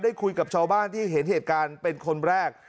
คุยกับชาวบ้านที่เห็นเหตุการณ์เป็นคนแรก